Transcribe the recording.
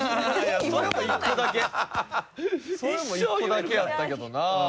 それも１個だけやったけどな。